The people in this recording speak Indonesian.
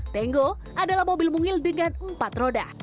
tango adalah mobil mungil dengan empat roda